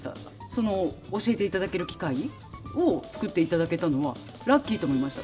その教えていただける機会を作っていただけたのはラッキーと思いました。